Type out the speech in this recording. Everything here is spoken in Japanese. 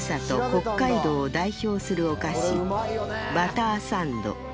北海道を代表するお菓子バターサンド